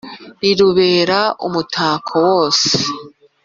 Rirubere umutako wose